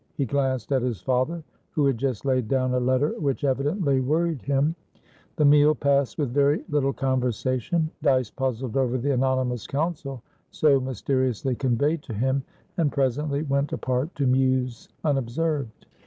He glanced at his father, who had just laid down a letter which evidently worried him. The meal passed with very little conversation. Dyce puzzled over the anonymous counsel so mysteriously conveyed to him, and presently went apart to muse unobserved.